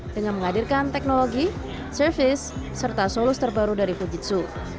dengan menghadirkan teknologi service serta solus terbaru dari fujitsu